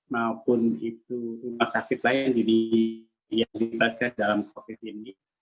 maupun rumah sakit lain yang dilakukan dalam covid sembilan belas